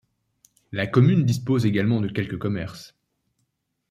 La commune dispose également de quelques commerces.